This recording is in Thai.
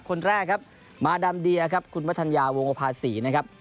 คนแรกครับมาดามเดียครับคุณวัฒนยาวงภาษีนะครับ